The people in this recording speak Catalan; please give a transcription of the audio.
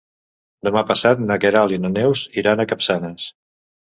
Demà passat na Queralt i na Neus iran a Capçanes.